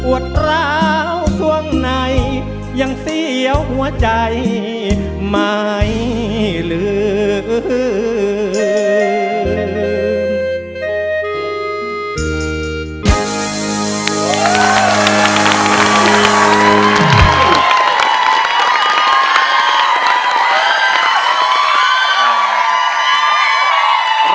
ร้าวส่วงในยังเสียวหัวใจไม่ลืม